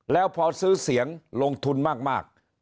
แล้วพอซื้อเสียงลงทุนมาก